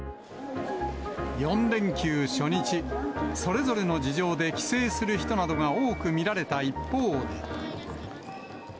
４連休初日、それぞれの事情で帰省する人などが多く見られた一方で。